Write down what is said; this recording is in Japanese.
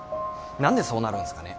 何でそうなるんすかね。